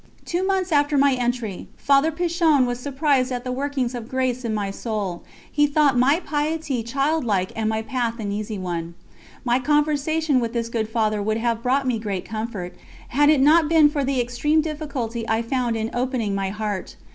Two months after my entry Father Pichon was surprised at the workings of grace in my soul; he thought my piety childlike and my path an easy one. My conversation with this good Father would have brought me great comfort, had it not been for the extreme difficulty I found in opening my heart.